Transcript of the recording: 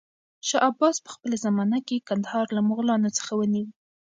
شاه عباس په خپله زمانه کې کندهار له مغلانو څخه ونيو.